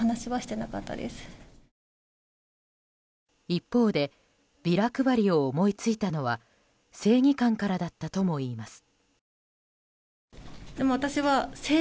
一方でビラ配りを思いついたのは正義感からだったともいいます。